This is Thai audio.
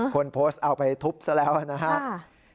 คนโพสต์เอาไปทุบซะแล้วนะครับ